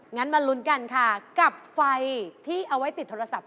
งั้นมาลุ้นกันค่ะกับไฟที่เอาไว้ติดโทรศัพท์